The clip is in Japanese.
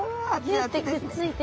ギュッてくっついてる。